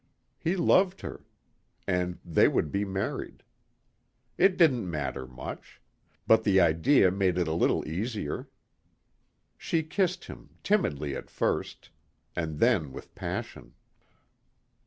He loved her. And they would be married. It didn't matter much. But the idea made it a little easier. She kissed him, timidly at first. And then with passion.